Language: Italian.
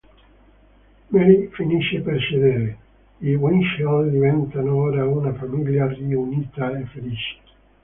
Mary finisce per cedere: i Winchell diventano ora una famiglia riunita e felice.